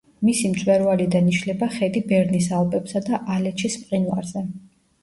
მისი მწვერვალიდან იშლება ხედი ბერნის ალპებსა და ალეჩის მყინვარზე.